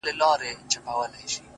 چاته د يار خبري ډيري ښې دي _a